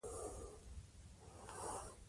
آیا غریبان تل قرباني کېږي؟